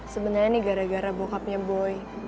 sebenernya nih gara gara bokapnya boy